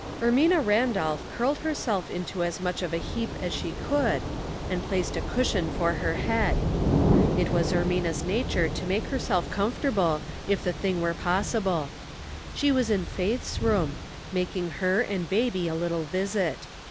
•RMINA RANDOLPH curled herself into as much of a heap as she could, and placed a cushion for her head. It was Eimina's nature to make herself comfort able, if the thing were possible. She was in Faith's room, making her and baby a little visit.